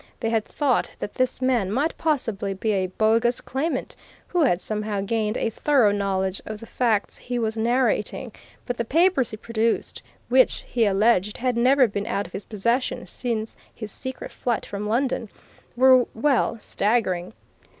They had thought that this man might possibly be a bogus claimant, who had somehow gained a thorough knowledge of the facts he was narrating, but the papers he produced, which, he alleged, had never been out of his possession since his secret flight from London, were well, staggering.